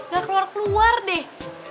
gak keluar keluar deh